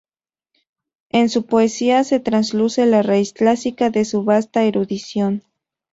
En su poesía se trasluce la raíz clásica de su vasta erudición.